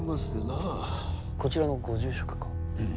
こちらのご住職か？